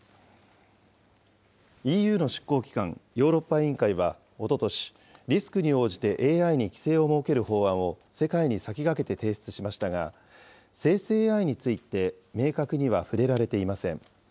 ＥＵの執行機関、ヨーロッパ委員会はおととし、リスクに応じてＡＩに規制を設ける法案を世界に先駆けて提出しましたが、生成ＡＩについて明確には触れられていません。